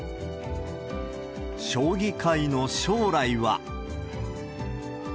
将棋界の将来は。